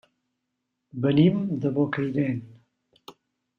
Venim de Bocairent.